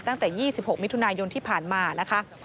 ตั้งแต่๒๖มิถุนายนที่ผ่านมานะคะ